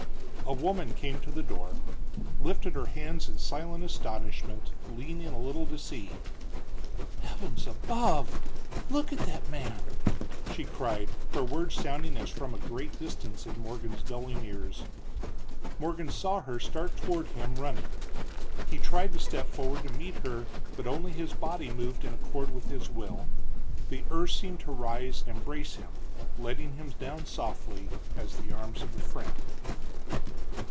A woman came to the door, lifted her hands in silent astonishment, leaning a little to see. "Heavens above! look at that man!" she cried, her words sounding as from a great distance in Morgan's dulling ears. Morgan saw her start toward him, running. He tried to step forward to meet her, but only his body moved in accord with his will. The earth seemed to rise and embrace him, letting him down softly, as the arms of a friend.